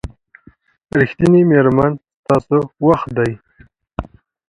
ریښتینې میرمنې ستاسو وخت